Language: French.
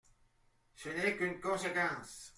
Ce n’est qu’une conséquence.